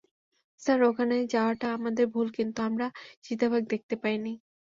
Sir, ওখানে যাওয়াটা আমাদের ভুল কিন্তু, আমরা চিতাবাঘ দেখতে পাইনি।